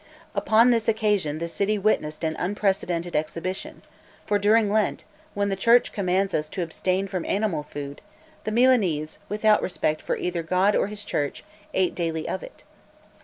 Upon this occasion the city witnessed an unprecedented exhibition; for, during Lent, when the church commands us to abstain from animal food, the Milanese, without respect for either God or his church, ate of it daily.